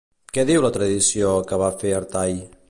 Què diu la tradició que va fer Artai?